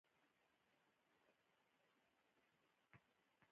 زموږ پښتو ولسي ادب ټول غوږ تر غوږه راغلی دی.